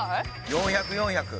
４００４００